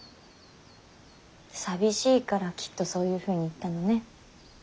寂しいからきっとそういうふうに言ったのね。